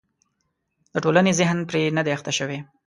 د ټولنې ذهن پرې نه دی اخته شوی.